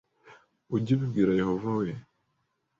Ujye ubibwira Yehova, we